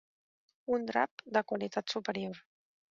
Un drap de qualitat superior.